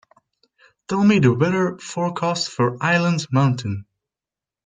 Tell me the weather forecast for Island Mountain